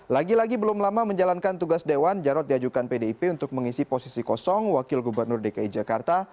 lagi lagi belum lama menjalankan tugas dewan jarod diajukan pdip untuk mengisi posisi kosong wakil gubernur dki jakarta